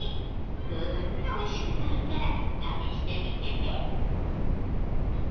グーンとおいしくなるから試してみてね。